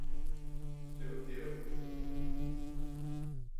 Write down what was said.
藉著